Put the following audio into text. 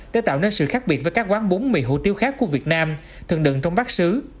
để tạo nên sự khác biệt với các quán bún mì hủ tiếu khác của việt nam thường đựng trong bắc sứ